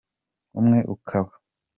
umwe ukaba